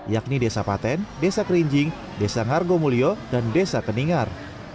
yakni desa paten desa kerinjing desa ngargomulyo dan desa teningar